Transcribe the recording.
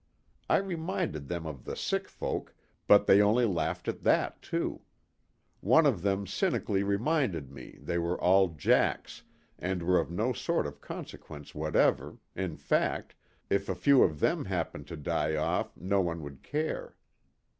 I reminded them of the sick folk, but they only laughed at that too. One of them cynically reminded me they were all 'jacks' and were of no sort of consequence whatever, in fact, if a few of them happened to die off no one would care.